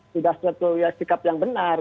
sudah suatu sikap yang benar